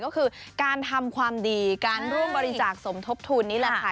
ก็คือการทำความดีการร่วมบริจาคสมทบทุนนี่แหละค่ะ